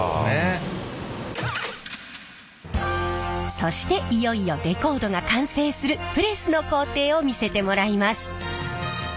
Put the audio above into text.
そしていよいよレコードが完成するプレスの工程を見せてもらいます。